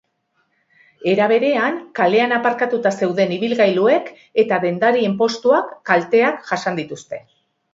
Era berean, kalean aparkatuta zeuden ibilgailuek eta dendarien postuek kalteak jasan dituzte.